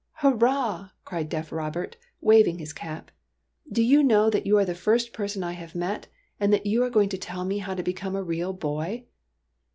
" Hurrah !'' cried deaf Robert, waving his cap. '* Do you know that you are the first person I have met, and that you are going to tell me how to become a real boy